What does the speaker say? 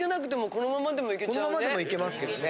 このままでもいけますけどね。